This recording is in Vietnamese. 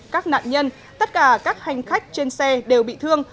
các nạn nhân tất cả các hành khách trên xe đều bị thương